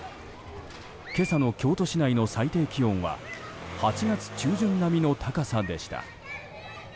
今朝の京都市内の最低気温は８月中旬並みの高さでした。